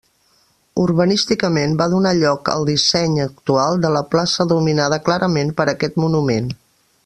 Urbanísticament va donar lloc al disseny actual de la plaça dominada clarament per aquest monument.